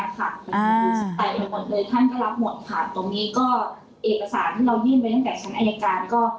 แตกไปหมดเลยท่านก็รับหมดค่ะตรงนี้ก็เอกสารที่เรายื่นไปตั้งแต่ชั้นอายการก็